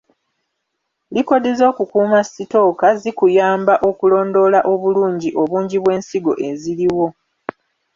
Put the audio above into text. Likodi z’okukuuma sitooka zikuyamba okulondoola obulungi obungi bw’ensigo eziriwo.